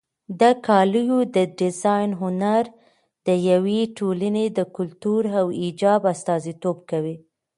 د کالیو د ډیزاین هنر د یوې ټولنې د کلتور او حجاب استازیتوب کوي.